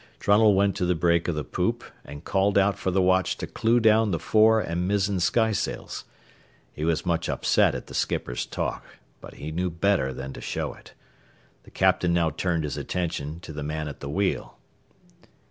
Trunnell went to the break of the poop and called out for the watch to clew down the fore and mizzen skysails. He was much upset at the skipper's talk, but knew better than to show it. The captain now turned his attention to the man at the wheel.